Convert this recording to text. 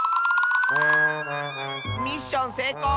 ミッションせいこう！